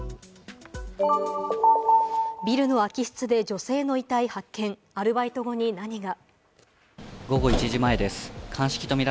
ビルの空き室で女性の遺体発見、アルバイト後に何が？